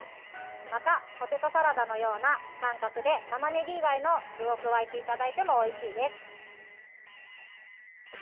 またポテトサラダのような感覚でたまねぎ以外の具を加えていただいても、おいしいです。